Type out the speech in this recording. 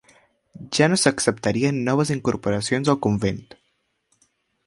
Ja no s'acceptarien noves incorporacions al convent.